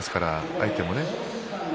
相手もね